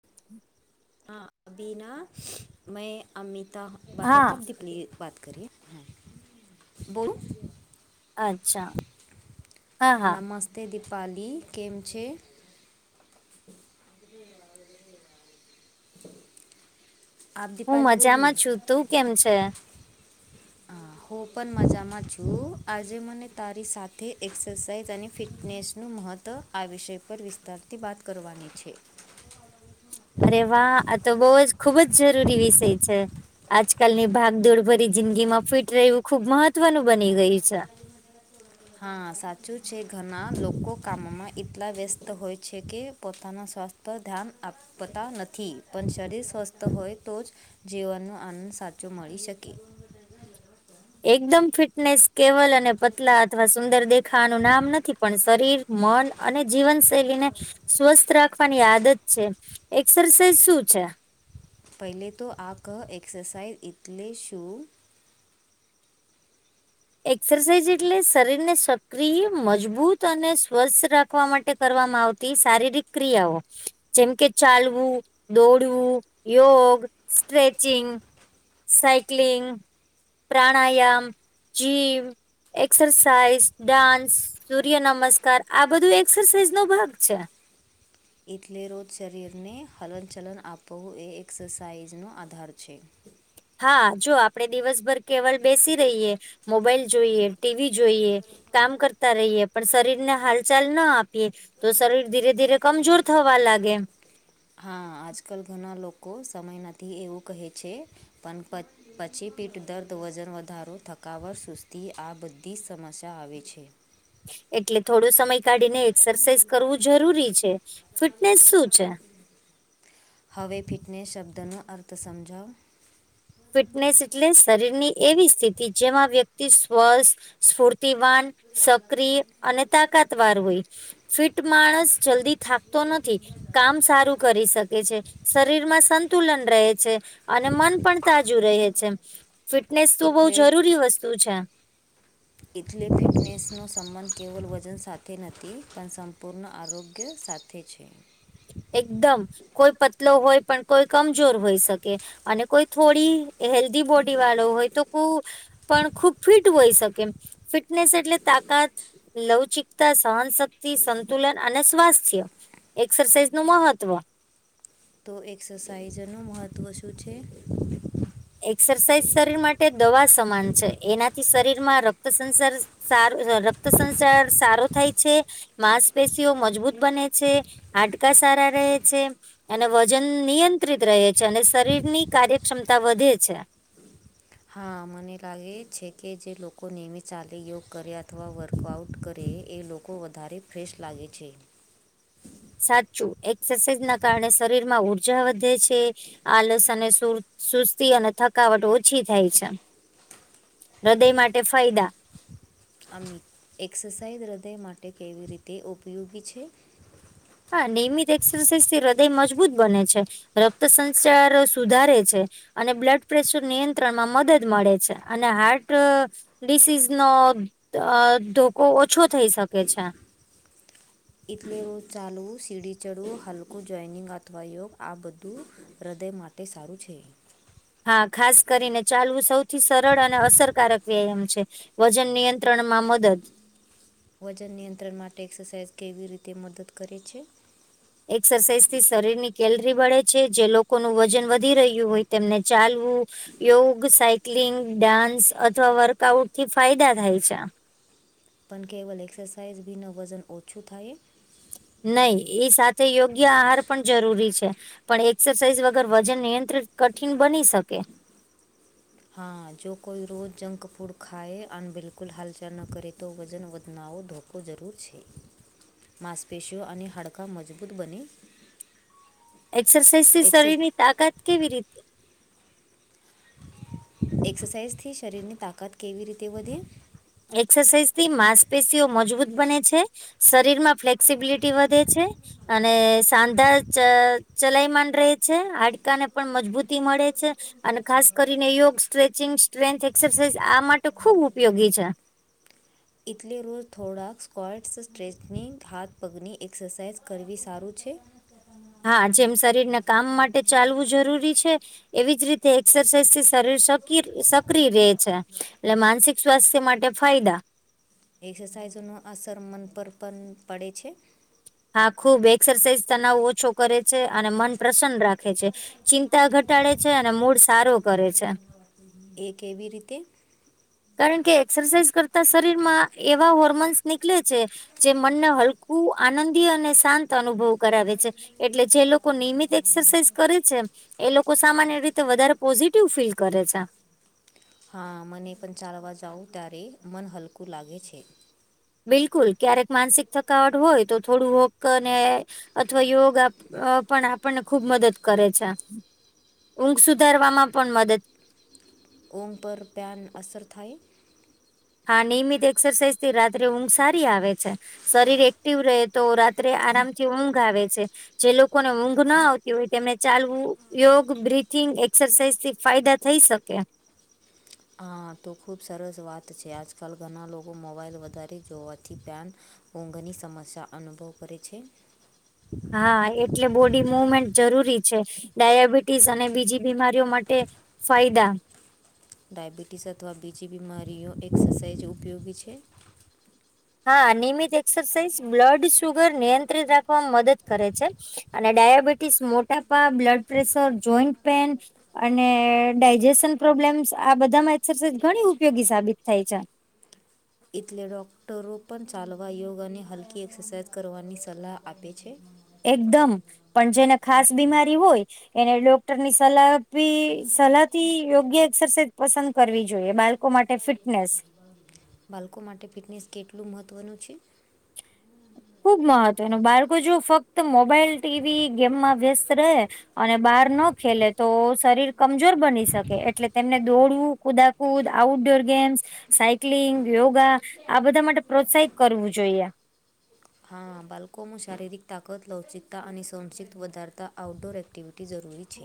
[inaudible] હા અભી ના મેં અમિતા બાત કરતા હા હ દિપલી વાત કરીએ બોલો. અચ્છા હા હા. તે દીપાલી કેમ છે. [inaudible] આપ હું દીપાલી બોલીએ મજામાં છું તું કેમ છે. હા હું પણ મજામાં છું આજે મને તારી સાથે એક્સરસાઇઝ અને ફિટનેસનું મહત્ત્વ આ વિષય પર વિસ્તારથી વાત કરવાની છે. અરે વાહ આ તો બોવાજ ખુબ જ જરૂરી વિષય છે. આજકાલની ભાગદોડ ભરી જિંદગી માં ફિટ રહેવું ખુબ મહત્વનું બની ગયું છે. હા સાચું છે ઘણા લોકો કામમાં એટલા વ્યસ્ત હોય છે કે પોતાના સ્વાસ્થ્ય પર ધ્યાન આપતા નથી પણ શરીર સ્વસ્થ હોય તો જ જીવનનો આનંદ સાચો મળી શકે. એકદમ ફિટનેસ કેવલ અને પતલા અથવા સુંદર દેખાવાનું નામ નથી પણ શરીર મન અને જીવનશૈલીને સ્વસ્થ રાખવાની આદત છે. એક્સરસાઇઝ શું છે. પહેલે તો આ કહા એક્સરસાઇઝ એટલે શું. એક્સરસાઇઝ એટલે શરીરને સક્રિય મજબૂત અને સ્વસ્થ રાખ ખવા માટે કરવામાં આવતી શારીરિક ક્રિયાઓ જેમકે ચાલવું દોડવું યોગ સ્ટ્રેચિંગ સાઈક્લિંગ પ્રાણાયામ જીમ એક્સરસાઇઝ ડાન્સ સૂર્ય નમસ્કાર આ બધું એક્સરસાઇઝ નો ભાગ છે. ઇટલે રોજ શરીરને હલનચલન આપવું એ એક્સરસાઇઝનો આધાર છે. હા જો આપડણે દિવસભર કેવલ બેસી રહીએ મોબાઈલ જોઈએ ટીવી જોઈએ કામ કરતા રહીએ પણ શરીર ને હાલચાલ ના આપીએ તો શરીર ધીરે ધીરે કમજોર થવા લાગે. હા આજકાલ ઘણા લોકો સમય નથી એવું કહે છે પણ પ પછી પીઠદર્દ વજન વધારો થકાવટ સુસ્તી આ બધી સમસ્યા આવે છે. એટલે થોડો સમય કાઢી ને એક્સરસાઇઝ કરવું જરૂરી છે ફિટનેસ શું છે? હવે ફિટનેસ શબ્દનો અર્થ સમજાવો. ફિટનેસ એટલે શરીર ની એવી સ્થિતિ જેમાં વ્યક્તિ સ્વાસ્થ્ય ઇસફૂ શક્તિવાન સક્રિય અને તાકાતવાર હોય. ફિટ માણસ જલ્દી થકતો નથી. કામ સારું કરી શકે છે શરીર માં સંતુલન રહે છે. અને મન પણ તાજુ રહે છે ફિટનેસ તો બહું એટલે જરૂરી વસ્તુ છે. ઇથલે ફિટનેસનો સંબંધ કેવલ વજન સાથે નથી પણ સંપૂર્ણ આરોગ્ય સાથ એ છે. એકદમ કોઈ પતલો હોય પણ કોઈ કમજોર હોય શકે અને કોઈ થોડી હેલ્ધી બોડી વાળો હોય તો કો પણ ખુબ ફિટ હોય શકે ફિટનેસ એટલે તાકાત લવચિકતા સહનશક્તિ સંતુલન અને સ્વાસ્થ્ય. એક્સરસાઇઝ નું મહત્વ તો એક્સરસાઇઝનું મહત્ત્વ શું છે. એક્સરસાઇઝ શરીર માટે દવા સમાન છે, એનાથી શરીરમાં રક્ત સંસાર સારું રક્ત સંચાર સારો થાય છે. માંસપેશીઓ મજબૂત બને છે, હાડકા સારા રહે છે. અને વજન નિયંત્રિત રહે છે, અને શરીરની કાર્યક્ષમતા વધે છે. હા મને લાગે છે, કે જે લોકો નેમિત ચાલે યોગ કરે અથવા વર્કઆઉટ કરે એ લોકો વધારે ફ્રેશ લાગે છે. સાચું એક્સરસાઇઝ ના કારણે શરીર માં ઉર્જા વધે છે. આલસ અને સુસ્તી અને થકાવટ ઓછી થાય છે. હૃદય માટે ફાયદા. આમ એક્સરસાઇઝ હૃદય માટે કેવી રીતે ઉપયોગી છે. હા. નિયમિત એક્સરસાઇઝ થી હૃદય મજબૂત બને છે, રક્ત સંચાર સુધારે છે. અને બ્લડ પ્રેશર નિયંત્રણ માં મદદ મળે છે, અને હાર્ટ ડિસીઝ નો ધોકો ઓછો થઈ શકે છે. એટલે એવું ચાલવું સીડી ચડવું હલકું જોઈનિંગ અથવા યોગ આ બધું હૃદય માટે તે સારું છે. હા ખાસ કરીને ચાલવું સૌથી સરળ અને અસરકારક વ્યાયામ છે. વજન નિયંત્રણ માં મદદ વજન નિયંત્રણ માટે એક્સરસાઇઝ કેવી રીતે મદદ કરે છે. એક્સરસાઇઝ થી શરીરની કેલરી બળે છે જે લોકોનું વજન વધી રહ્યું હોય તેમને ચાલવું યોગ સાયક્લિંગ ડાન્સ અથવા વર્કઆઉટ થી ફાયદા થાય છે. પણ કેવલ એક્સરસાઇઝ બી ન વજન ઓછું થાય. નહી એ સાથે યોગ્ય આહાર પણ જરૂરી છે. પણ એક્સરસાઇઝ વગર વજન નિયંત્રિત કઠિન બની શકે. હા જો કોઈ રોજ જંક ફૂડ ખાાય અને બિલકુલ હાલચાલ ન કરે તો વજન વધનાઓ ધોખો જરૂર છે માંસપેશીઓ અને હડકાં મજબૂત બને. એક્સરસાઇઝ થી એક્સસ શરીર ની તાકાત કેવી રીતે એક્સરસાઇઝથી શરીરની તાકાત કેવી રીતે વધે. એક્સરસાઇઝ થી માંસપેશીઓ મજબૂત બને છે. શરીર માં ફ્લેક્સિબિલિટી વધે છે. અને સાંધા ચલાયમાન રહે છે હાડકા ને પણ મજબૂતી મળે છે. અને ખાસ કરીને યોગ સ્ટ્રેચિંગ સ્ટ્રેન્થ એક્સરસાઝ આ માટે ખુબ ઉપયોગી છે. એટલે રોજ થોડાક સ્ક્વૉટ્સ સ્ટ્રેચનિંગ હાથ પગની એક્સરસાઇઝ કરવી સારું છે. તો અ [unintelligible] હા જેમ શરીરને કામ માટે ચાલવું જરૂરી છે. એવી જ રીતે એક્સરસાઇઝ થી શરીર સક્રિય રહે છે એટ માનસિક સ્વાસ્થ્ય માટે ફાયદા એક્સરસાઇઝ ન અસર મન પર પણ પડે છે. હા ખુબ એક્સરસાઇઝ તનાવ ઓછો કરે છે અને મન પ્રસન્ન રાખે છે ચિંતા ઘટાડે છે અને મૂડ સારો કરે છે એ કેવી રીત ના કારણ કે એક્સરસાઇઝ કરતા શરીર માં એવા હોર્મોન્સ નીકળે છે જે મનને હલકું આનંદી અને શાંત અનુભવ કરાવે છે એટલે જે લોકો નિયમિત એક્સરસાઇઝ કરે છેમ. એ લોકો સામાન્ય રીતે વધારે પોઝિટિવ ફીલ કરે છે. હા મને પણ ચાલવા જાઉં ત્યારે મન હલકું લાગે છે. બિલકુલ ક્યારેક માનસિક થકાવટ હોય તો થોડું હોક અને અથવા યોગ પણ આપણને ખુબ મદદ કરે છે. ઊંઘ સુધારવામાં પણ મદદ ઊંઘ પર પ્યાન અસર થાય હા નિયમિત એક્સરસાઇઝ થી રાત્રે ઊંઘ સારી આવે શરીર એક્ટિવ રહે તો રાત્રે આરામથી ઊંઘ આવે જે લોકોને ઊંઘ ના આવતી હોય તેમને ચાલવું યોગ બિથિંગ એક્સરસાઇઝથી ફાયદા જઈ શકે હા તો ખૂબ સરસ વાત છે આજકાલ ઘણા લોકો મોબાઈલ વધારે જોવાથી પન ઊંઘની સમસ્યા અનુભવ કરે છે હા એટલે બોડી મુવમેન્ટ જરૂરી છે ડાયાબિટીસ અને બીજી બીમારીઓ માટે ફાયદા ડાયાબિટીસ અથવા બીજી બીમારીઓ એક્સરસાઇઝ ઉપયોગી છે હા નિયમિત એક્સરસાઇઝ બ્લડ સુુગર નિયંત્રિત રાખવાવામાં મદદ કરે છે અને ડાયાબિટીસ મોટાપા બ્લડ પ્રેશર જોઈન્ટ પેન અને ડાયજેશન પ્રોબ્લેમ્સ આ બધામાં એક્સરસાઇઝ ઘણી ઉપયોગી સાબિત થાય એટલે ડૉક્ટરો પણ ચાલવા યોગ અને હલકી એક્સરસાઇઝ કરવાની સલાહ આપે છે એકદમ પણ જેને ખાસ બીમારી હોય એને ડોક્ટરની સલાહ સલાહથી યોગ્ય એક્સરસાઇઝ પસંદ કરવી જોઈએ બાડ કો માટે ફિટનેસ બાળકો માટે ફિટનેસ કેટલું મહત્ત્વનું ખુબ મહત્વનું બાળકો જો ફક્ત મોબાઈલ ટીવી ગેમમાં વ્યસ્ત રહે અને બહાર ન ખેલે તો શરીર કમજોર બની શકે એટલે તેમને દોડવું કુદા કુદ outdoor games cycling yoga આ બધા માટે પ્રોત્સાહિત કરવું જોઈએ આ બાળકોમાં શારીરિક તાકાત લવચિકતા અને સંક્ષિપ્ત વધારતા આઉટડોર એક્ટિવિટી બી જરૂરી છે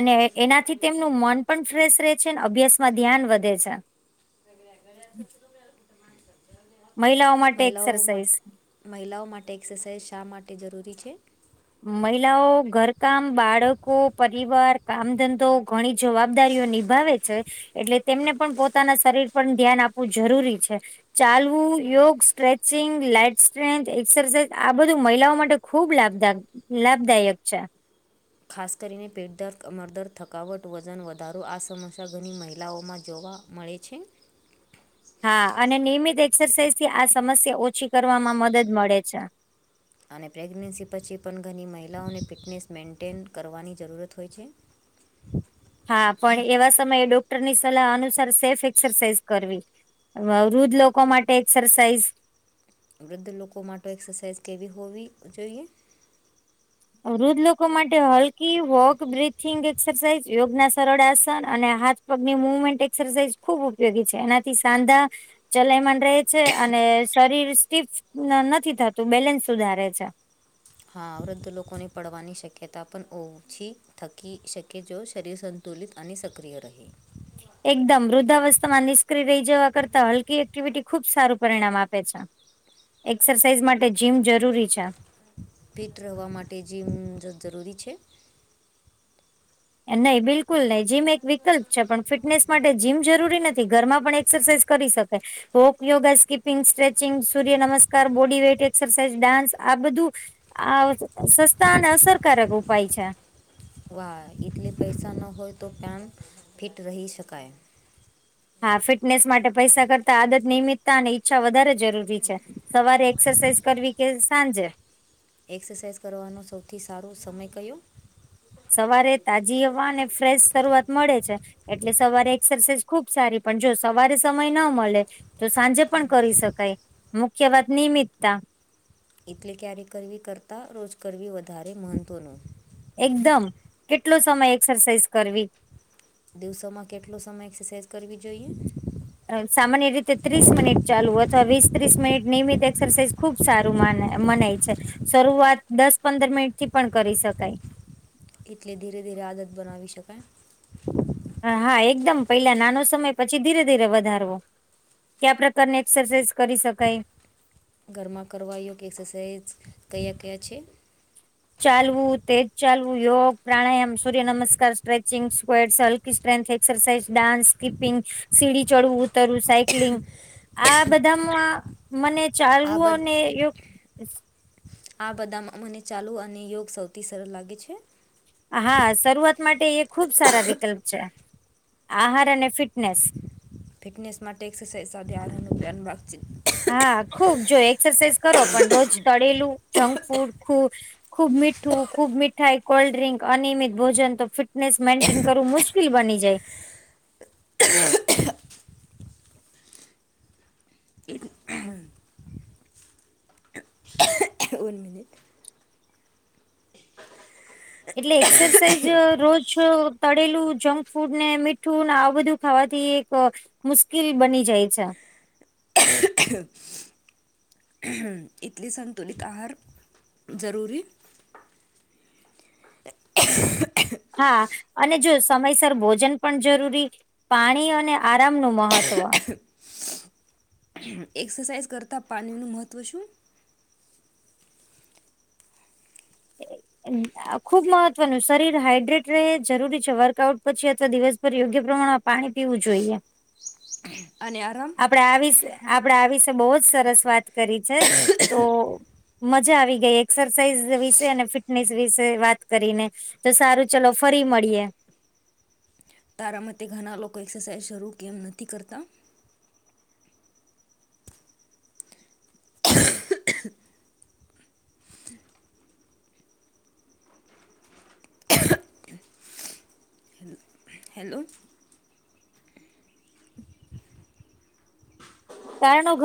અને એનાથી તેમનું મન પણ ફ્રેશ રહે છે ને અભ્યાસ માં ધ્યાન વધે છે મહિલાઓ માટે મહિલાઓ એક્સરસાઇઝ માટે મહિલાઓ માટે એક્સરસાઇઝ શા માટે જરૂરી છે મહિલાઓ ઘરકામ બાળકો પરિવાર કામ ધંધો ઘણી જવાબદારીઓ નિભાવે છે એટલે તેમને પણ પોતાના શરીર પર ધ્યાન આપવું જરૂરી છે ચાલવું યોગ સ્ટ્રેચિંગ લાઈટ સ્ટ્રેન્થ એક્સરસાઇઝ આ બધું મહિલાઓ માટે ખૂબ લાભદા લાભદાયક છે ખાસ કરીને પેટદર કમરદર થકાવટ વજન વધારો આ સમસ્યા ઘણી મહિલાઓમાં જોવા મળે છે હા અને નિયમિત એક્સરસાઇઝ થી આ સમસ્યા ઓછી કરવામાં મદદ મળે છે અને પ્રેગ્નન્સી પછી પણ ઘરની મહિલાઓને ફિટનેસ મેન્ટેન કરવાની જરૂરત હોય છે હા પણ એવા સમયે ડોક્ટર ની સલાહ અનુસાર સેફ એક્સરસાઇઝ કરવી વૃધ્ધ લોકો માટે એક્સરસાઇઝ વૃદ્ધ લોકો માટે એક્સરસાઇઝ કેવી હોવી જોઈએ વૃદ્ધ લોકો માટે હલકી વોક બિથિંગ એક્સરસાઇઝ યોગના સરળ આસન અને હાથ પગની મુવમેન્ટ એસરસાઇઝ ખૂબ ઉપયોગી છે એનાથી સાંધા ચલાયમન રહે છે અને શરીર સ્ટીફ નથી થતું બેલેન્સ સુધારે છે હા વૃદ્ધ લોકોને પડવાની શક્યતા પણ ઓછી થકી શકે જો શરીર સન સંતુલિત અને સક્રિય રહે એકદમ વૃદ્ધાવસ્થામાં નિષ્ક્રય રહી જવા કરતા હલકી એક્ટિવિટી ખુબ સારું પરિણામ આપે છે એક્સરસાઇઝ માટે જીમ જરૂરી છે ફિટ રહેવા માટે જીમ જ જરૂરી છે? નહી, બિલકુલ નહી, જીમ એક વિકલ્પ છે, પણ ફિટનેસ માટે જીમ જરૂરી નથી, ઘરમાં પણ એક્સરસાઇઝ કરી શકે. હોક યોગા, સ્કીપિંગ, સ્ટ્રેચિંગ, સૂર્ય નમસ્કાર, બોડી વેઇટ, એક્સરસાઇઝ, ડાન્સ આ બધું આ સ સસ્તા અને અસરકારક ઉપાય છે. વાહ એટલે પૈસા ન હોય તો પેન ફિટ રહી શકાય. હા ફિટનેસ માટે પૈસા કરતા આદત, નિમિત્તા, અને ઈચ્છા વધારે જરૂરી છે. સવારે એક્સરસાઇઝ કરવી કે સાંજે. એક્સરસાઇઝ કરવાનો સૌથી સારો સમય કયો? સવારે તાજી હવાને ફ્રેશ શરૂઆત મળે છે. એટલે સવારે એક્સરસાઇઝ ખુબ સારી, પણ જો સવારે સમય ના મળે તો સાંજે પણ કરી શકાય, મુખ્ય વાત નિમિતતા. એટલે ક્યારેય કરવી કરતાં રોજ કરવી વધારે મહત્ત્વનું. એકદમ, કેટલો સમય એક્સરસાઇઝ કરવી? દિવસોમાં કેટલો સમય એક્સરસાઇઝ કરવી જોઈએ? સામાન્ય રીતે ત્રીસ મિનિટ ચાલુ, અથવા વીસ ત્રીસ મિનિટ નિયમિત એક્સરસાઇઝ ખુબ સારું મન મનાય છે, શરૂઆત દસ પંદર મિનિટથી પણ કરી શકાય. એટલે ધીરે ધીરે આદત બનાવી શકાય. હા હા એકદમ, પેલા નાનો સમય પછી ધીરે ધીરે વધારવો. કયા પ્રકારની એક્સરસાઇઝ કરી શકાય? ઘરમાં કરવા યોગ એક્સરસાઇઝ કયા કયા છે? ચાલવું, તેજ ચાલવું, યોગ, પ્રાણાયામ, સૂર્ય નમસ્કાર, stretching, સ્કુવેડ stent exercise, dance, skipping, સીડી ચડવું ઉતરું સાઈ લિંગ આ બધામાં મને ચાલવુ આ બધ અને યો આ બધા મા મને ચાલવુ અને યોગ સૌથી સરળ લાગે છે. હા શરૂઆત માટે એ ખુબ સારા વિકલ્પ છે. આહાર અને ફિટનેસ. ફિટનેસ માંટે એક્સેસાઇસ [unintelligible] ધ્યાનનું અન વાચિત હા, ખુબ જો એક્સરસાઇઝ કરો પણ રોજ તળેલું, જંક ફૂડ, ખૂ ખુબ મીઠું, ખુબ મીઠાઈ, કોલ્ડ્રિંક, અનયમિત ભોજન તો ફિટનેસ મેન્ટેન કરવું મુશ્કે કીલ બની જાય. One minute. એટલે એક્સરસાઇઝ રોજ તળેલું, જંક ફૂડ ને મીઠું ને આ બધું ખાવાથી એક મુશ્કેલ બની જાય છે. એટલે સંતુલિત આહાર જરૂરી હા, અને જો સમયસર ભોજન પણ જરૂરી પાણી અને આરામનું મહત્વ એક્સરસાઇઝ કરતાં પાણીનું મહત્ત્વ શું? [inaudible] આ ખુબ મહત્વનું, શરીર હાાઈડ્રેટ રહે, જરૂરી છે વર્કઆઉટ પછી અથવા દિવસભર યોગ્ય પ્રમાણ આપ પાણી પીવું જોઈએ. અને આ આપડે આ વિશે આપડે આ વિશે બહુ જ સરસ વાત કરી છે તો મજા આવી ગઈ એક્સરસાઇઝ વિશે અને ફિટનેસ વિશે વાત કરીને. તો સારું ચલો ફરી મળીએે. તારા માટે ઘણા લોકો એક્સરસાઇઝ શરૂ કેમ નથી કરતા? હેલો. પાયાનું ઘ